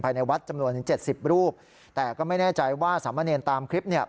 ภายในวัดจำนวน๗๐รูปแต่ก็ไม่แน่ใจว่าสามะเนรตามคลิปเนี่ย